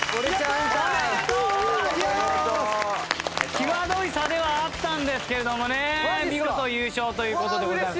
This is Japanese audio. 際どい差ではあったんですけれどもね見事優勝という事でございます。